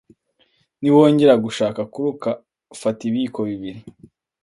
Niwongera gushaka kuruka fata ibiyiko bibiri